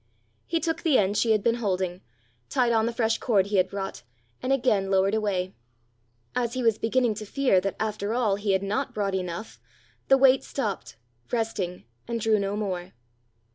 He took the end she had been holding, tied on the fresh cord he had brought, and again lowered away. As he was beginning to fear that after all he had not brought enough, the weight stopped, resting, and drew no more.